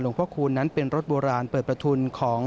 หลวงพ่อคุณเป็นรถโบราณเปิดประทุน